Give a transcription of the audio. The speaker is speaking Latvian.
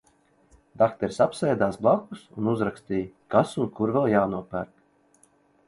Dakteris apsēdās blakus un uzrakstīja, kas un kur vēl jānopērk.